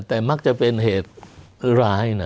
แต่มักจะเป็นเหตุร้ายนะ